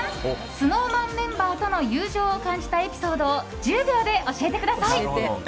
ＳｎｏｗＭａｎメンバーとの友情を感じたエピソードを１０秒で教えてください。